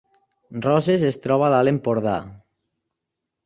Roses es troba a l’Alt Empordà